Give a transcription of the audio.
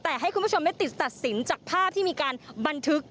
แต่ให้คุณผู้ชมได้ติดตัดสินจากภาพที่มีการบันทึก